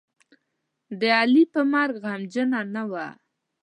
د علي په مرګ غمجنـه نه وه.